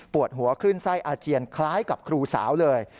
หัวคลื่นไส้อาเจียนคล้ายกับครูสาวเลย